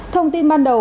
thông tin ban đầu